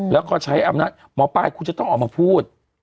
แล้วก็ใช้อำนาจหมอปลายคุณจะต้องออกมาพูด